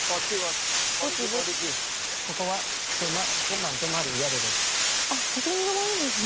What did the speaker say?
ここは今晩泊まる宿です。